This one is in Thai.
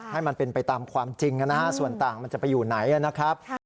ให้มันเป็นไปตามความจริงนะฮะส่วนต่างมันจะไปอยู่ไหนนะครับ